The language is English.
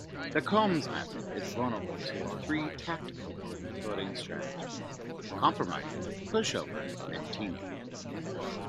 The Coombs' method is vulnerable to three tactical voting strategies: compromising, push-over, and teaming.